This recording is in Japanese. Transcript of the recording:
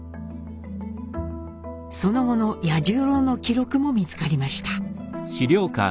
その後の八十郎の記録も見つかりました。